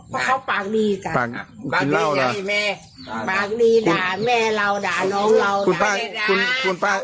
เขาปากนี่จ้ะปากนี่ไงแม่ปากนี่ด่าแม่เราด่าน้องเราด่าเด็ดด่า